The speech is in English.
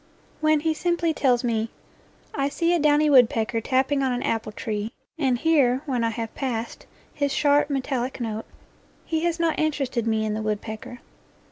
When he simply tells me, " I see a downy wood pecker tapping on an apple tree and hear when I have passed his sharp, metallic note," he has not interested me in the woodpecker.